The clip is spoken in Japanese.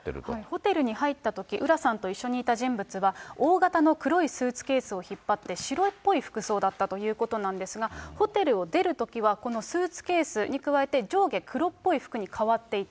ホテルに入ったとき、浦さんと一緒にいた人物は、大型の黒いスーツケースを引っ張って白っぽい服装だったということなんですが、ホテルを出るときはこのスーツケースに加えて、上下黒っぽい服に変わっていた。